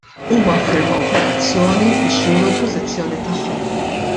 Huma ffirmaw petizzjoni biex juru l-pożizzjoni tagħhom.